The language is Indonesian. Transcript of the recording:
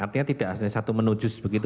artinya tidak asli satu menu jus begitu